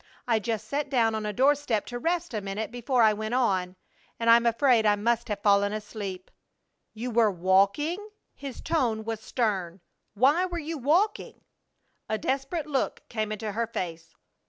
I just sat down on a door step to rest a minute before I went on, and I'm afraid I must have fallen asleep." "You were walking?" His tone was stern. "Why were you walking?" A desperate look came into her face.